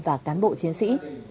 và cán bộ chiến sĩ